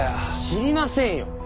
知りませんよ！